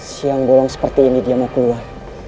siang bolong seperti ini dia mau keluar